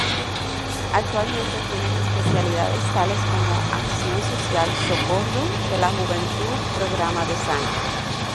Actualmente tiene especialidades tales como Acción Social, Socorro, de la Juventud, Programa de Sangre.